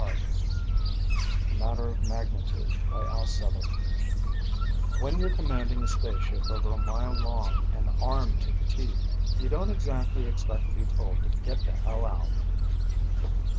net A MATTER OF MAGNITUDE By AL SEVCIK _When you're commanding a spaceship over a mile long, and armed to the teeth, you don't exactly expect to be told to get the hell out